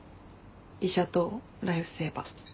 医者とライフセーバー。